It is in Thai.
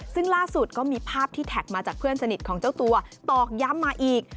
ซึ่งล่าสุดก็มีภาพที่แท็กมาจากเพื่อนสนิทของเจ้าตัวตอกย้ำมาอีก